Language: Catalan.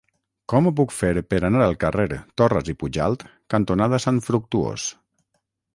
Com ho puc fer per anar al carrer Torras i Pujalt cantonada Sant Fructuós?